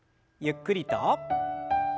ゆっくりと。